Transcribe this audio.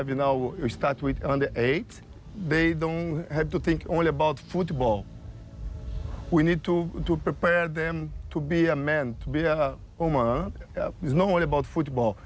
ฟาบิโอเปรรไลร่า